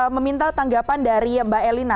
meminta tanggapan dari mbak elina